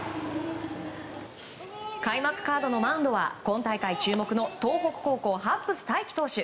開幕カードのマウンドは今大会注目の東北高校、ハッブス大起投手。